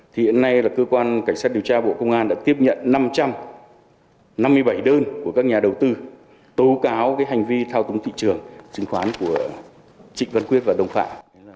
thì hiện nay là cơ quan cảnh sát điều tra bộ công an đã tiếp nhận năm trăm năm mươi bảy đơn của các nhà đầu tư tố cáo cái hành vi thao túng thị trường chứng khoán của trịnh văn quyết và đồng phạm